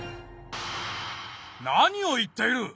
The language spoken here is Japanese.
何を言っている！